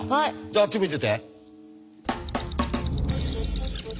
あっち向いて。